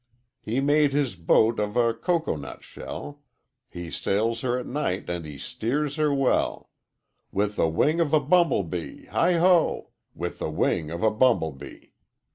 'He made his boat of a cocoa nut shell, He sails her at night and he steers her well With the wing of a bumble bee Heigh ho! With the wing of a bumble bee.